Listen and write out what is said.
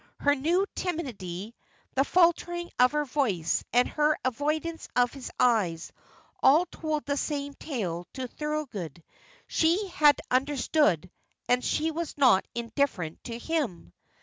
Her new timidity, the faltering of her voice, and her avoidance of his eyes, all told the same tale to Thorold: she had understood, and she was not indifferent to him!